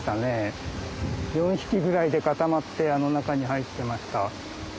４匹ぐらいで固まってあの中に入ってました。